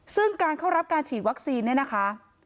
ซึ่งการเข้ารับการฉีดวัคซีนเนี่ยนะคะ